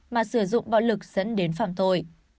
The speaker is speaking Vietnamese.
mà sử dụng bạo lực dẫn đến phạm tội